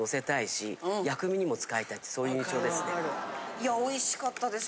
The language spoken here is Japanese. いやおいしかったです